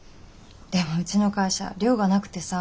でもうちの会社寮がなくてさ。